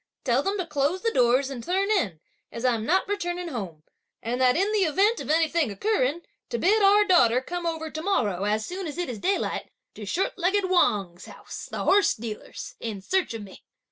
Tell them to close the doors and turn in, as I'm not returning home; and that in the event of anything occurring, to bid our daughter come over to morrow, as soon as it is daylight, to short legged Wang's house, the horse dealer's, in search of me!"